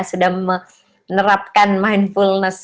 sudah menerapkan mindfullness